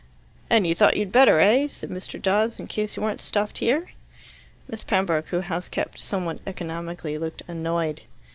"And you thought you'd better, eh?" said Mr. Dawes, "in case you weren't stuffed here." Miss Pembroke, who house kept somewhat economically, looked annoyed.